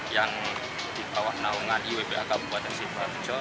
yang di bawah naungan iwph kabupaten sidoarjo